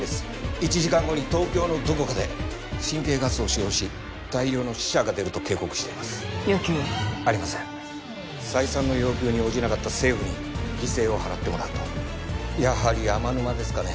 １時間後に東京のどこかで神経ガスを使用し大量の死者が出ると警告しています要求は？ありません再三の要求に応じなかった政府に犠牲を払ってもらうとやはり天沼ですかね